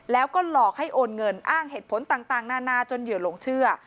แล้วก็หลอกให้โอนเงินอ้างเหตุผลต่างนานาจนเหยื่อหลงเชื่อ